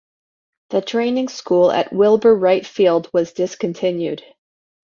The training school at Wilbur Wright Field was discontinued.